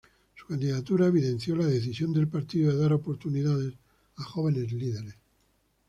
Su candidatura evidenció la decisión del partido de dar oportunidad a jóvenes liderazgos.